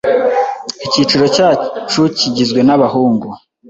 Icyiciro cyacu kigizwe nabahungu